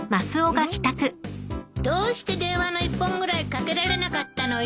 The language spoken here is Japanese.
どうして電話の１本ぐらいかけられなかったのよ。